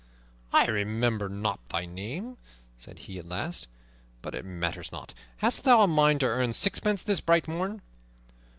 "I remember not thy name," said he at last, "but it matters not. Hast thou a mind to earn sixpence this bright morn?"